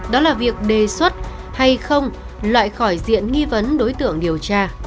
đó là việc đề xuất hay không loại khỏi diện nghi vấn đối tượng điều tra